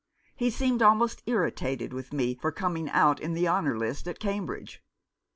He seemed almost irritated with me for coming out in the honour list at Cambridge.